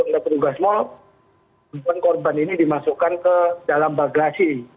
dan petugas mall korban ini dimasukkan ke dalam bagasi